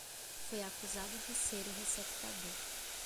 Foi acusado de ser o receptador